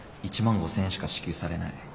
１万５，０００円しか支給されない。